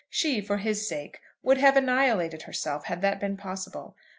She, for his sake, would have annihilated herself, had that been possible.